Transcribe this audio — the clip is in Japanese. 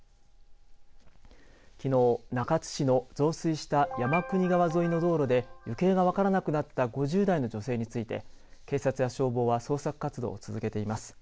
きのう中津市の増水した山国川沿いの道路で行方が分からなくなった５０代の女性について警察や消防は捜索活動を続けています。